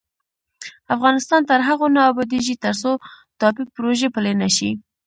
افغانستان تر هغو نه ابادیږي، ترڅو ټاپي پروژه پلې نشي.